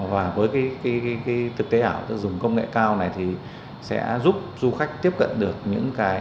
và với cái thực tế ảo dùng công nghệ cao này thì sẽ giúp du khách tiếp cận được những cái